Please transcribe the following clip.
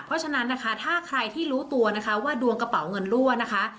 เพราะฉะนั้นนะคะถ้าใครที่รู้ตัวนะคะว่าดวงกระเป๋าเงินรั่วนะคะ